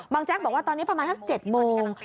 บังแจ็คบอกว่าตอนนี้ประมาณ๗โมง